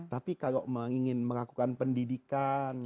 tapi kalau ingin melakukan pendidikan